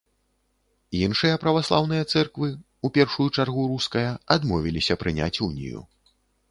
Іншыя праваслаўныя цэрквы, у першую чаргу руская, адмовіліся прыняць унію.